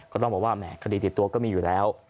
ก็ต้องบอกว่าแหมคดีติดตัวก็มีอยู่แล้ว